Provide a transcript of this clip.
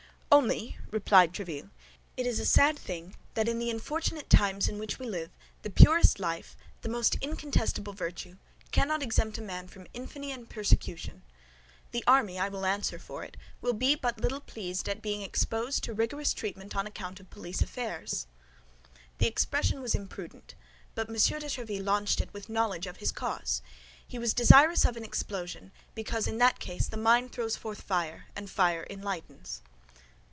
"Only," replied Tréville, "it is a sad thing that in the unfortunate times in which we live, the purest life, the most incontestable virtue, cannot exempt a man from infamy and persecution. The army, I will answer for it, will be but little pleased at being exposed to rigorous treatment on account of police affairs." The expression was imprudent; but M. de Tréville launched it with knowledge of his cause. He was desirous of an explosion, because in that case the mine throws forth fire, and fire enlightens.